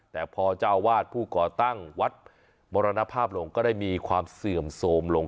แต่พอเจ้าวาดผู้ก่อตั้งวัดมรณภาพลงก็ได้มีความเสื่อมโทรมลง